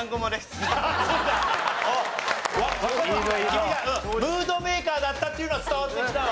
君がムードメーカーだったっていうのは伝わってきたわ。